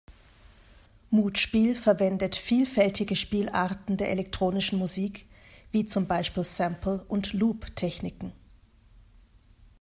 Muthspiel verwendet vielfältige Spielarten der elektronischen Musik, wie zum Beispiel Sample- und Loop-Techniken.